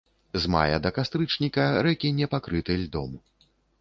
З мая да кастрычніка рэкі не пакрыты льдом.